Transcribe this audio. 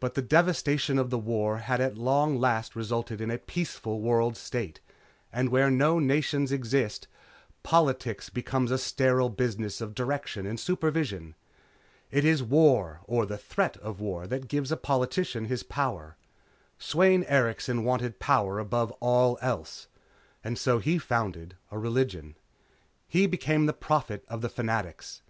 But the devastation of the war had at long last resulted in a peaceful world state, and where no nations exist, politics becomes a sterile business of direction and supervision. It is war or the threat of war that gives a politician his power. Sweyn Erikson wanted power above all else. And so he founded a religion. He became the Prophet of the Fanatics.